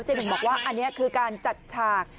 หนึ่งบอกว่าอันนี้คือการจัดฉาก